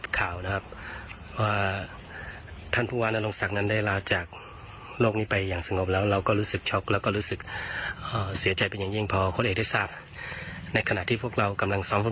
คุณผู้ชมคะโคชเอกค่ะ